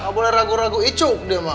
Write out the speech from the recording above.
nggak boleh ragu ragu icu dia mah